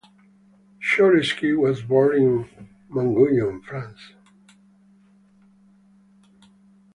Cholesky was born in Montguyon, France.